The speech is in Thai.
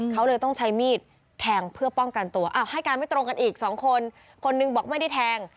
เขาเลยต้องใช้มีดแทงเพื่อป้องกันตัวอ้าวให้การไม่ตรงกันอีกสองคนคนหนึ่งบอกไม่ได้แทง